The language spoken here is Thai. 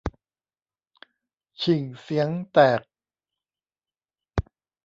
ฉิ่งเสียงแตก